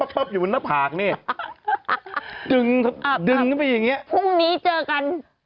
คุณทำอะไรหรือเปล่า